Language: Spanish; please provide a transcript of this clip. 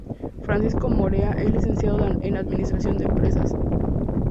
Francisco Morea es Licenciado en Administración de Empresas.